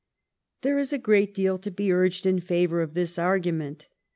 " There is a great deal to be urged in favor of this argument.